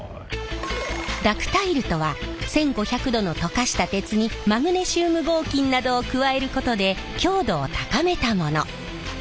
ダクタイルとは１，５００度の溶かした鉄にマグネシウム合金などを加えることで強度を高めたもの。